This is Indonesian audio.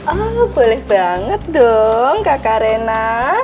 oh boleh banget dong kakarena